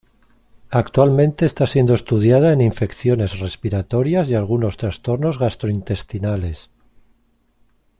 Actualmente está siendo estudiada en infecciones respiratorias y algunos trastornos gastrointestinales.